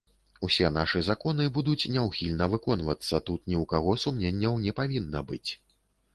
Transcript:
Усе нашы законы будуць няўхільна выконвацца, тут ні ў каго сумненняў не павінна быць.